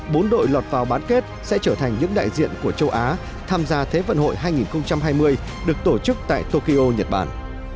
bốn đội lọt vào bán kết sẽ trở thành những đại diện của châu á tham gia thế vận hội hai nghìn hai mươi được tổ chức tại tokyo nhật bản